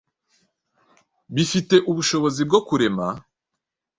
bifite ubushobozi bwo kurema.